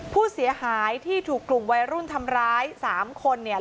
ผู้เสียหายที่ถูกกลุ่มวัยรุ่นทำร้าย๓คนเนี่ย